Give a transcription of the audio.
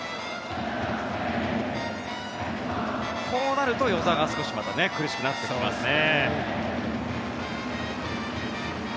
こうなると與座が少しまた苦しくなってきますね。